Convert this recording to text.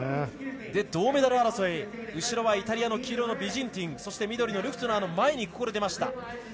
銅メダル争い、後ろは黄色のイタリアのビジンティンそして緑のルフトゥナーの前に出ました。